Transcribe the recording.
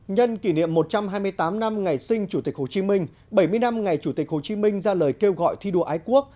nhân kỷ niệm một trăm hai mươi tám năm ngày sinh chủ tịch hồ chí minh bảy mươi năm ngày chủ tịch hồ chí minh ra lời kêu gọi thi đua ái quốc